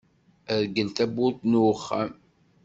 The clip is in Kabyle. Rgel tawwurt n uxxam.